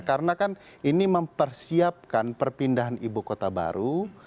karena kan ini mempersiapkan perpindahan ibu kota baru